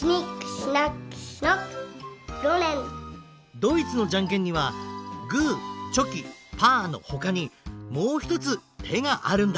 ドイツのじゃんけんにはグーチョキパーのほかにもうひとつてがあるんだ。